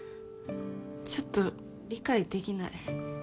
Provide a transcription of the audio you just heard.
ちょっと理解できない。